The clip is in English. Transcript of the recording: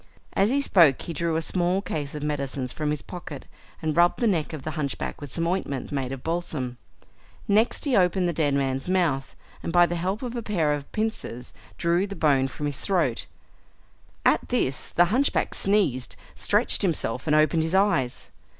As he spoke he drew a small case of medicines from his pocket and rubbed the neck of the hunchback with some ointment made of balsam. Next he opened the dead man's mouth, and by the help of a pair of pincers drew the bone from his throat. At this the hunchback sneezed, stretched himself and opened his eyes.